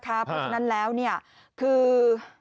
เพราะฉะนั้นแล้วเนี่ยคือ